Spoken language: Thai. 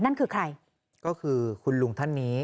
นั่นคือใครก็คือคุณลุงท่านนี้